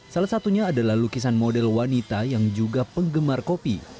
salah satunya adalah lukisan model wanita yang juga penggemar kopi